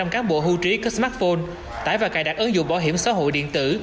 tám mươi cán bộ hưu trí có smartphone tải và cài đặt ứng dụng bảo hiểm xã hội điện tử